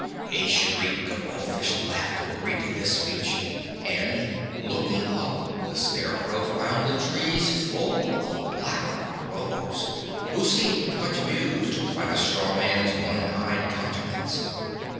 A shriek of elfish laughter greeted this speech and looking up the Scarecrow found the trees full of black crows, who seemed much amused by the straw man's one eyed countenance.